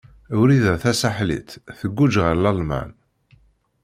Wrida Tasaḥlit tguǧǧ ɣer Lalman.